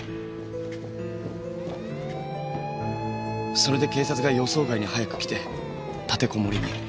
それで警察が予想外に早く来て立てこもりに。